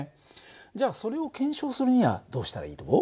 じゃあそれを検証するにはどうしたらいいと思う？